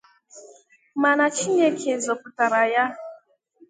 mana Chineke zọpụtara ya